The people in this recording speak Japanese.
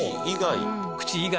口以外。